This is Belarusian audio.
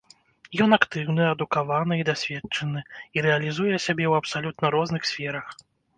Ён актыўны, адукаваны і дасведчаны, і рэалізуе сябе ў абсалютна розных сферах.